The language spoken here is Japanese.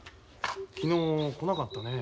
昨日来なかったね。